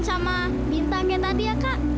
sama bintang yang tadi ya kak